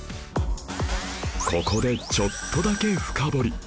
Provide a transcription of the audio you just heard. ここでちょっとだけ深掘り